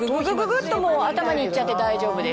グっともう頭にいっちゃって大丈夫です。